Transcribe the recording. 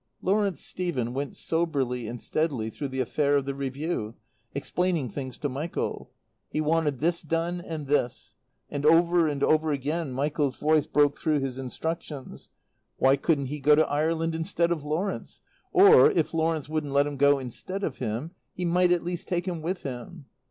Lawrence Stephen went soberly and steadily through the affair of the Review, explaining things to Michael. He wanted this done, and this. And over and over again Michael's voice broke through his instructions. Why couldn't he go to Ireland instead of Lawrence? Or, if Lawrence wouldn't let him go instead of him, he might at least take him with him.